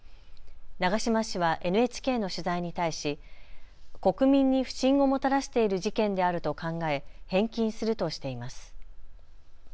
長島氏はＮＨＫの取材に対し国民に不信をもたらしている事件であると考え返金するとしています。